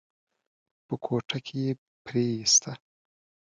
په کوټه کې يې پريېسته.